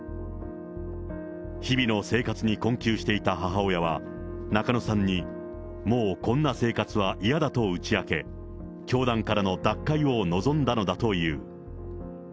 日々の生活に困窮していた母親は、中野さんにもうこんな生活は嫌だと打ち明け、教団からの脱会を望んだのだという。